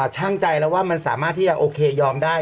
ช่างใจแล้วว่ามันสามารถที่จะโอเคยอมได้